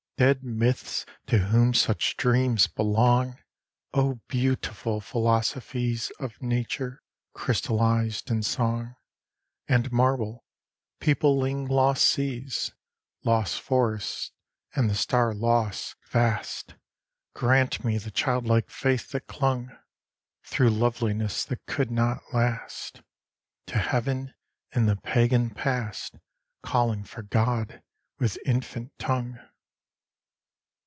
Dead myths, to whom such dreams belong! O beautiful philosophies Of Nature! crystallized in song And marble, peopling lost seas, Lost forests and the star lost vast, Grant me the childlike faith that clung. Through loveliness that could not last, To Heaven in the pagan past, Calling for God with infant tongue!